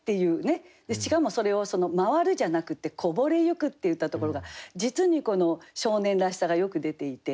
しかもそれを「回る」じゃなくて「零れゆく」っていったところが実にこの少年らしさがよく出ていて。